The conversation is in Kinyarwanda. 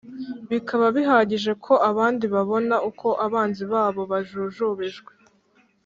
bikaba bihagije ko abandi babona uko abanzi babo bajujubijwe.